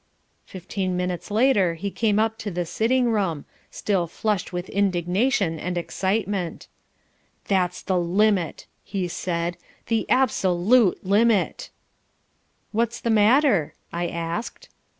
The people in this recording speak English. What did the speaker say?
Fifteen minutes later he came up to the sitting room, still flushed with indignation and excitement. "That's the limit," he said, "the absolute limit!" "What's the matter?" I asked.